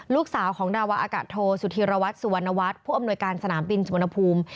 ลูกสาวของดาวาอากาศโทสุธีรวัตรสุวรรณวัฒน์ผู้อำนวยการสนามบินสุวรรณภูมิ